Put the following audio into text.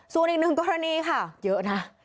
ส่วนอีกหนึ่งกรณีค่ะเยอะนะ